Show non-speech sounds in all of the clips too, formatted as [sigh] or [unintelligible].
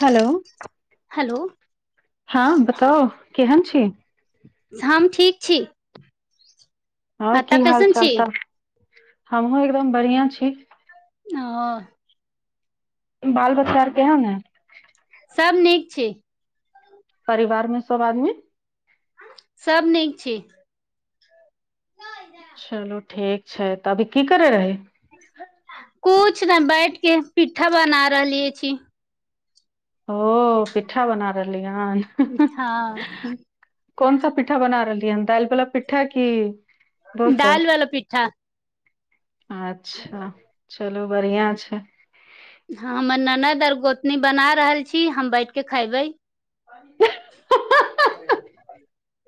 Hello hello हँ बताउ केहन छी हम ठीक छी हँ एतऽ की हाल कैसन चाल छी तऽ हमहुँ एकदम बढ़ियाँ छी अ-अ बाल बच्चा आर केहन हय सब नीक छै परिवार मे सब आदमी सभ नीक छी चलू ठीक छै तऽ अभी की करै रही कुछ ने बैठ के पिठ्ठा बना रहलियै छी ओ पिठा बना रहल ली अछा [unintelligible] कोन सा पिठ्ठा बना रहलियै हन दालिवला पिठ्ठा की दोसर दाल वाला पिठ्ठा अच्छा चलु बढ़ियाँ छै हँ हमर ननद आर गोतनी बना रहल छी हम बैठ के खेबै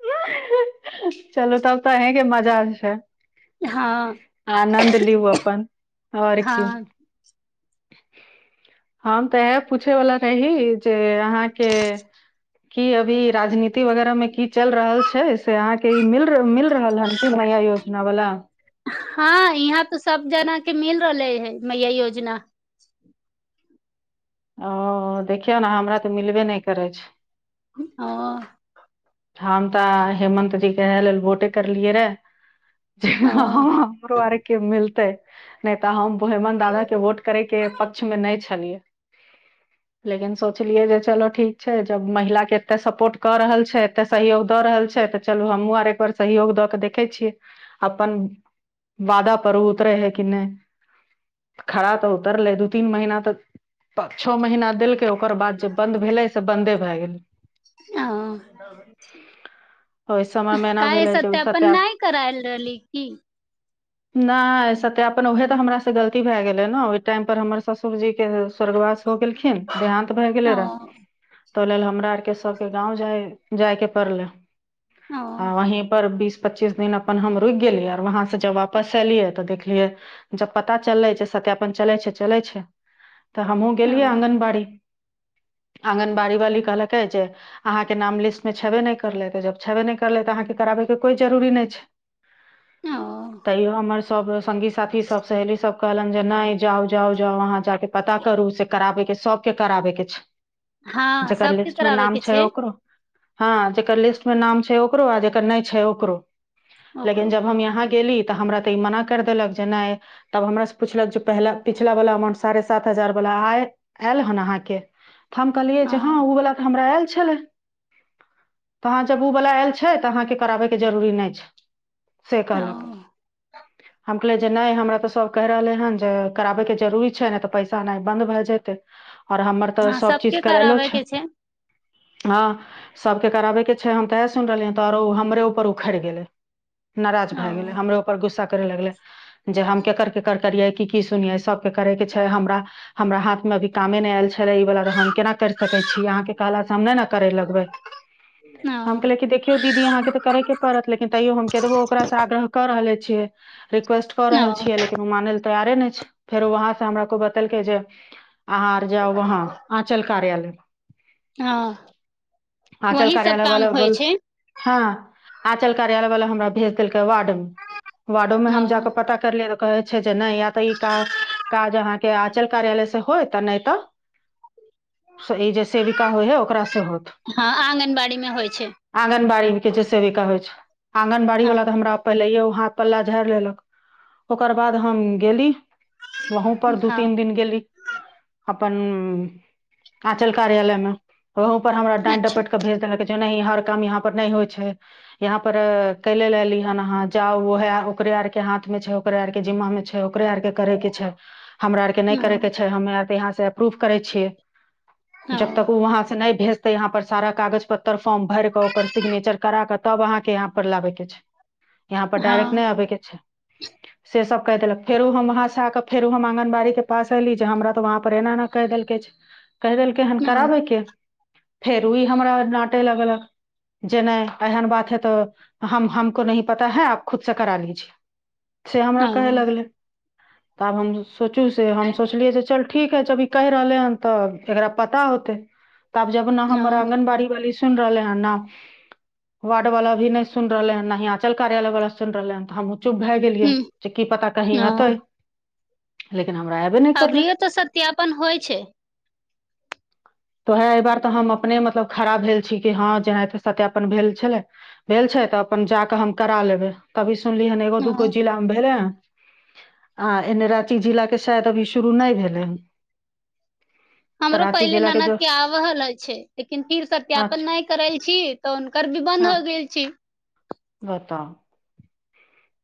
[unintelligible] चलु तब तं अंहीं के मजा- हँ [unintelligible] आनन्द लिउ अपन आओर की हँ हम तऽ ईहा पूछे वला रहि जे अहाँके की अभी राजनीति वगैरह मे की चल रहल छै से अहाँके ई मिल मिल रहल हन कि नया योजना वाला हँ यहाँ तऽ सब जना के मिल रहले हइ मैया योजना ओ देखियौ ने हमरा तऽ मिलबे नहि करै छै अ- हम तऽ हेमत जी कें इहा लेल वोटे करलियए रे जे हँ ओ हह हमरो आर के मिलतै नहि तऽ हम बोेहिमन दादाक के वोट करयके पक्षमे नहि छलियै लेकिन सोचलियै जे चलअ ठीक छै जब महिलाके एतेक सपोर्ट कऽ रहल छै एतेक सहयोग दऽ रहल छै तऽ चलू हमहुँ आर एकबार सहयोग दऽ कऽ देखै छियै अपन वादापर ओ उतरै हइ कि नहि खड़ा तऽ उतरलै दू तीन महीना तऽ पाँच छ महिना देलकै ओकर बाद जे बन्द भेलै से बन्दे भए गेल आ ओहि समय मे एना काहे भेलै जे ओ सत्यापन सत्या नहि कराल रहलै की नहि सत्यापन उएहे तऽ हमरास गलती भए गेलै ने ओहि टाइमपर हमर ससुरजीके स्वर्गवास हो गेलखिन देहानंत भए गेले ओ रऽ तऽह लेल हमरा आरके सभके गाँव जाय जायके पड़लै ओ हँ वहीं पर बिस पच्चीस दिन अपन हम रुकि गेलियै आर वहाँसे जब वापस एयलियै तऽ देखलियै जब पता चललै सत्यापन चलै छै चलै छै तऽ हमहूँ गेलियै ओ आङंगगनबाड़ी आङ्गनबाड़ी वाली कहलकै जे अहाँके नाम लिस्टमे छेबे नहि करलै तऽ जब छेबे नहि करलै तऽ अहाँके कराबयके कोइ जरूरी नहि छै। ओ तैो हमर सब स्गी साथी सब सहेली सब। कहलन जे नहि जाउ जाउ जाउ वहाँ जााक। पता करू से कराबेके सबके कराबे के छै हँ जकर सबके लिस्ट मे कराबै नाम के छै ओकरो हँ जेकर लिस्ट मे नाम छै ओकरो आ जकर नहि छै ओकरो लेकिन ओकरो जब हम यहाँ गेली। तऽ हमरा तऽ ई मना कर देलक जे नहि तब हमरा से पुछलक जे प पिछला वाला अउंट सारे सात हजार वाला आयल आहा के तऽ हम कहलियए जे हँ ओ वालला के हमरा आयल। तहाँ जब ओ वला आयल छै तऽ अहाँके कराबैके जरूरी नहि छै। ओ सेकलक हम ै नहि हमरा तऽ सब कहि रहलै हँ जे कराबैके जरुररी छै नहि पैसा नहि बन्द भए जतै आओर हमर तऽ हँ सब चीज सबके करेलो कराबै छै के हँ सभके कराबेके छै हम तएह सुन रहलियै तऽ आरो हमरे ऊपर उखड़ि गेलै नाराजज ओ भए गेलै हमरोऊपर गुस्सा। कर लगले जे हम केकर केकर करिय कि की सुनिये सबके करे के हमरा हमरा हाथ मे अभी कामे नहि आयल छै। हम केना कर छिन आहा के कहला से हम नहि ने कर ओ छिकय छै रिक्वेस्ट कर ओ रहल छीये लेकिन उ माने ले तैयारे ने छै फेर वहाँ से हमरा को बदल के जे अहाँ आर जाउ वहाँ आंचल कार्यालय ओ आचल वही सब काम कार्यालयवला होइ बोल छै हँ आचल कार्यालय वाला हमरा भेज देल वार्ड मे वार्डो में ओ हम जााकऽ पता कर लिय त कै छथि या तऽ ई काजहाँके के आचल कार्यालय से होय तऽ नहि तऽ ई जे सेविका होइ है ओकरास से होत हँ आंगनबाड़ी मे होइ छै आङगनबाड़ी जे सेविका होइ छै आंगनबाड़ी हँ वला तऽ हमरा पहिलेयौ हाथ पल्ला झाड़ि लेलक ओकर बाद हम गेली वहुँ पर दु- हँ तीन दिन गेली अपन अंचल कार्यालय मे उहं पर हमरा डंट अच्छा डपैट के भेज देलक जे नहि हर काम इहाँ पर न होइ छै इहाँ पर कैले ला एली हन अहाँ जाउ उहे ओकरे आर के हाथ में छै ओकरे आर के जिम्मा मे छै ओकरे आर के करै के छै हमरा आर के नहि ओ करै के छै हमे आर त इहाँ स से एप्रूव करै छियै ओ जब तक उ वहाँ से नहि भेज- तऽ इहाँ पर सारा कागज पत्तर फॉर्म भरि के ओकर सिग्नेचर करा क तब अहाँ के इहाँ पर लाबै के छै इहाँ पर डायरेक्ट नहि हँ आबै के छै से सब कहि देलक फेर हम वहाँ से आके फेरो हम आंगनबाड़ी के पास एऐली जे हमरा तऽ वहाँ पर एना ऐना कहि देलक छै कहि देलकै हन ओ कराबैके फेर ओ ई हमरा डांटे लगलक जे नहि एहन बात है तो हम हमको नहीं पता है आप खुद से करा लीजिए से हमरा ओ कहय लगलै तब हमहु सोचू से हम सोचलियै से चल ठीक हइ जभी ई कहि रहलेहन तऽ एकरा पता होतै ताब जब न हमर आंगनबाड़ी वाली सुन रहले हें न वार्ड वला भी न सुन रहले हें न हि अंचल कार्यालय वला सुन रहले हें त हम चुप भए गेलियै हूँ जे की पता कहीं हतैय ह [unintelligible] अबरियौ तऽ सत्यापन होइ छै तऽ ओएह एहि बार तऽ हम अपने मतलब खड़ा भेल छी कि हँ जेनाहिंते सत्यापन भेल छलै भेल छै तऽ अपन जााकऽ हम करा लेबै त भी- सुनली हन एगो हँ दुूगो जिल भेलै हन आ एने राति जिला के शायद अभी शुरू नहि भेलै हन तऽ हमरो राँची पहिले जिलाके ननद जो के आब ह रहल छै लेकिन फिर सत्यापन अच्छा नहि करै छी तऽ हुनकर भी बन्द हँ हो गेल छी बताउ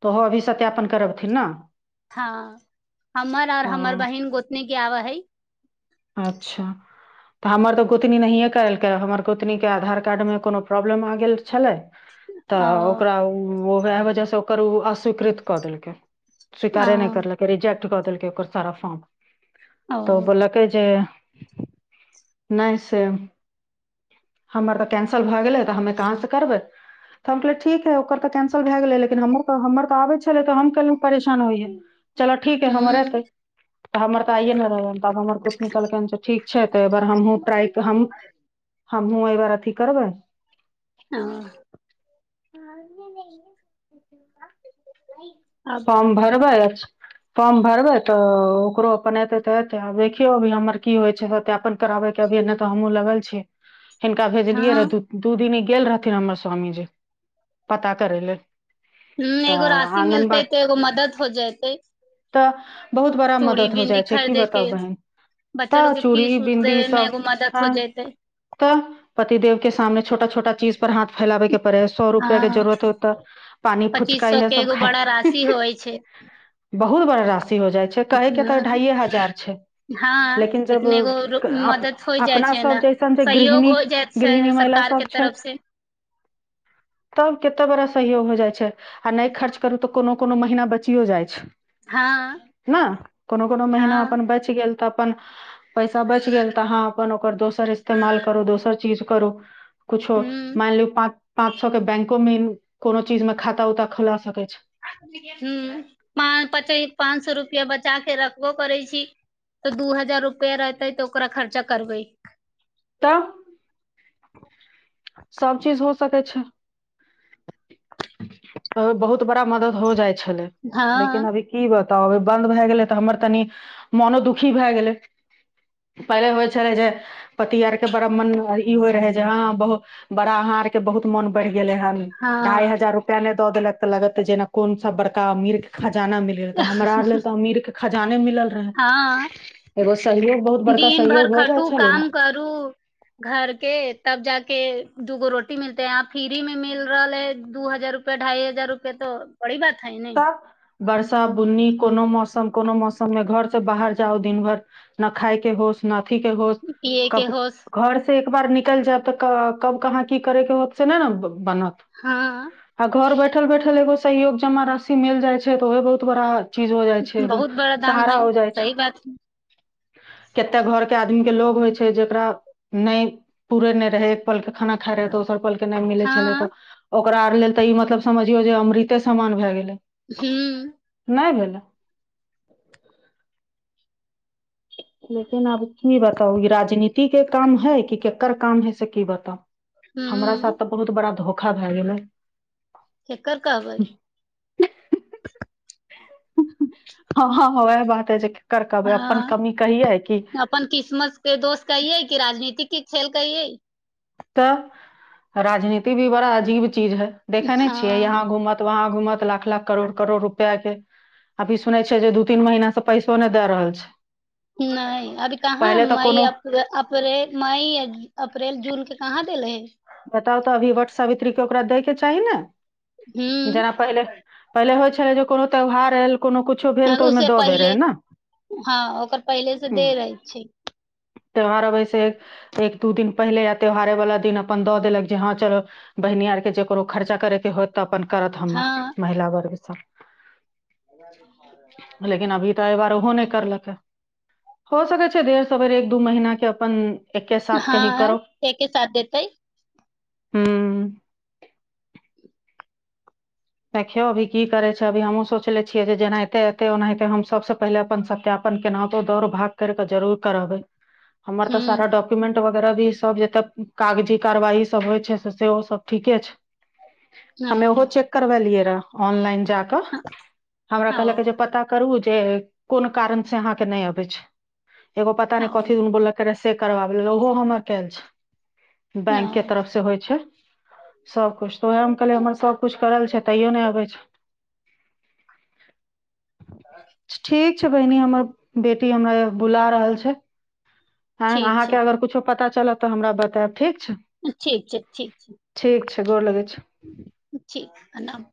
त ओहो अभी सत्यापन करबथिन न हँ हमर और हमर हँ बहिन गोतनी के आब हइ अच्छा तऽ हमर तऽ गोतनी नहिए करेलकै हमर गोतनीके आधार कार्डमे कोनो प्रॉब्लम आ गेल छलै ओ तऽ ओकरा ओ- वएह वजहसँ ओकर ओ अस्वीकृत कऽ देलकै ओ स्वीकरे नहि करलकै रिजेक्ट त कदेलकै ओकर सारा फाँर्म ओ तऽ बोलकै से नहि से हमर तऽ कैन्सल भऽ गेलै तऽ हमे कहाँ से करबै तऽ हम कहल ठीक हइ ओकर तऽ कैंसल भए गेलै लेकिन हम- हमर तऽ आबै छल तऽ हम कैलाय परेशान होइयै चल ठीक है हमर हूँ एतै त हमर तऽ आइे ने रहल त आब हमर कोन- ठीक छै तऽ एहि बार हमहूँ ट्राय हमहूँ हमहूँ एहि बार अथी करबै अ- ह [unintelligible] अब फॉर्म भरबै फॉर्म भरबै तऽ ओकरो अपन एते तऽ एतै आ देखियौ अभी हमर अभी की होइ छै सत्यापन कराबैके अभी नहि तऽ हमहुँ लागल छियै हिनका भेजलियै हँ रहा दू दिन गेल रहथिन हमर स्वामीजी पता करै लेल हूँ एगो तऽ राशि आङ्गनबाड़ी मिलतै तऽ एगो मदद हो जतै तऽ बहुत बड़ा मदद हो जाइ छै की के बताउ बहिन बच्चा तऽ लोग के चूड़ी फीस उस बिन्दी ई देबे में सब एगो मदद हँ हो जयतै तऽ पतिदेव के सामने छोटा छोटा चीज पर हाथ फैलाबैके पड़ै हइ सौ रुपआ के हँ जरूरत होत तऽ पानि फुच- पच्चीस सौ के एगो बड़ा राशि होइ छै बहुत बड़ा रा- होइ छै कहै के तऽ हँ ढाइ हजार छै लेकिन हँ जब एगो रो- मदद हो जाइ अपना छै सब ने जैसन सहयोग हो जायत गृहणी महिला सरकार के सब छै तरफ से तब कते बरा सहयोग हो जाइ छै आ नहि खर्च करू तऽ कोनो कोनो महीना बचियो जाइ छै हँ न कोनो कोनो महिना हँ अपन बच गेल तऽ अपन पैसा बचि गेल तऽ हाँ अपन ओकर दोसर इस्तेमाल करो दोसर चीज करो कुछो हूँ माइन लियौ पाँ- पाँच सौ के बैंको मे कोनो चीज मे खा- उता खोला सकै छै ह प पच पाँच सए रुपआ बचा क रखबो करै छी तऽ दू हजार रुपआ रहतै तऽ ओकरा खर्चा करबै तऽ सब चीज हो सकै छै तऽ बहुत बड़ा मदद हो जाइ छै छलै हँ लेकिन अभी की बात तब अभ बंद भए गेले ते हमर तनी मोनो दुखी भए गेले पहिले होय छले जे पति आर के बड़ा मन ई होय रहे जे हा बहु बड़ा अहा आर के बहुत मन बढ़ गेले हे ढइ हँ हजार रुपआ ने दऽ देलक तऽ लगत जेना कोन सा बड़का अमीर के जाना मिल रह हमरा आर ल त अमीर खजाना हँ सहयोग बहुत बड़का दिन भर सहयोग हो जाइ खटू छलै ने काम करू घर के तब जाक दूगो रोटी मिलत है यहाँ फ्री में मिल रहल है दू हजार रुपआ ढाई हजार रुपएो बड़ी बात खाय नहि बर्सा बुन्नी कोनो मौसम कोनो मौसम मे घर से बाहर जाउ दिन भर न खााय के होस न के हो पियए के कब होश घर से एक बार निकल जायब तऽ कब कहाँ की करे के होत से ने ने बनत हँ आ घर ब ठलैठल एगो सहयग जमाा सी मिल जाइ छै तऽ ओहे बहुत बड़ा चीज हो जाइ छै ए बहुत बड़ा दान सहारा है हो जाइ छै सही बात कतेक घरके आदमी के लोग होइ छै जेकरा नहि पूुरे नहि रहै पल के खाना खा रहै तऽ ओस पल के नाम मिले छलै तऽ हँ ओकरा आर लेल तऽ ई मतलब समझियो जे अमृते समामान भय गेले हू नहि भेल लेकिन अबी बताउ राजनीति ी के काम है क केकर काम है से की बताउ हमरा हूँ साथ तऽ बहुत बड़ा धोखा ोखा भए गेलै हकर कह भइ हँ हँ ह बात है जे केकर कहबै अपन हँ कमी कहियै कि अपन किसमस के दोस्त कहिए कि राजनीतििक क सेेल कहिै तऽ राजनीति भी बड़ा अजीब चीज है देखेने छियै हँ यहाँ घूमत वहाँ घूमत लाख लाख करोड़ करोड़ रुपआ के अभी सुनै छियै जे दू तीन महिना से पैसो नहि देय रहल छै नहि अभी कहाँ पहिले तऽ मई कोनो अप अप्र मई य अप्रैल जून के कहाँ देलै हइ बताउ तऽ अभी वटसवित्रीके ओकरा दैके चाही ने जेना हूँ पहिले पहिले होइ छै छलै जे कोनो त्योहार आएल हाँ उस से पहिले हँ ओकर पहिले से हूँ दे रहै छी त्योहार अबैसे एक दू दिन पहिले या त्यौहारे वाला दिन अपन द देलक जे हँ चल बहिनी आर के जे कोनो खर्चा करै के होत तऽ अपन करत हमर हँ महिला वर्ग [unintelligible] लेकिन अभी तऽ एहि बार ओहो नहि करलकै हो सकै छै देर सवेर एक दू महीना के अपन एके साथ हँ एके साथ देतै हूँ देखियौ अभी की करै छै अभी हमहूँ सोचनेे छियै जे जेनाहिते अेतै ओनाहितै हम सभसँ पहिले अपन सत्यापन केनाहितो दौड़ भाग करि कऽ जरूर करबै हमर तऽ हूँ सारा डक्युमेंट ब- तरह भी सब जते कागजी कार्यवाही सब होइ छै सेहो सब ठीके छै ओ हमे ओहो चेक कैलिए रहा ऑन लाईन जा क हमरा कहल पता करु से कोन कारण से अहाँके नहि अबै छै एगो पता ओ नै कथीदून बोललके रहा से करबाबै ला ओहो हमर केएल छै ओ बैंक के तरफ से होइ छै सबकुछ तऽ ओएह कले हमर सबकुछ करल छै तैयो नहि अबै छै [inaudible] ठीक छै बहिनी हमर बेटी हमरा बुला रहल छै हँ ठीक अहाँके छै अगर कुछो पता चलत तऽ हमरा बतायब ठीक छै ठीक छै ठीक छै ठीक गोर लगै छी जी प्रणाम